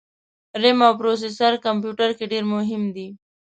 رېم او پروسیسر کمپیوټر کي ډېر مهم دي